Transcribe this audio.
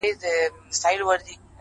خود دي خالـونه پــه واوښتــل.